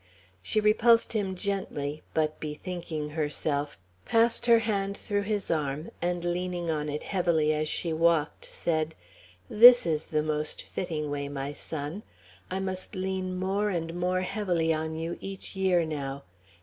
She repulsed him gently, but bethinking herself, passed her hand through his arm, and leaning on it heavily as she walked, said: "This is the most fitting way, my son. I must lean more and more heavily on you each year now.